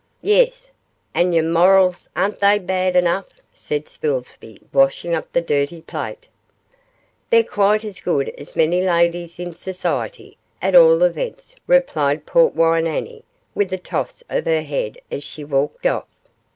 'Yes, and yer morals, ain't they bad enough?' said Spilsby, washing up the dirty plate. 'They're quite as good as many ladies in society, at all events,' replied Portwine Annie, with a toss of her head as she walked off.